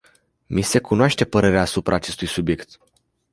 Mi se cunoaște părerea asupra acestui subiect.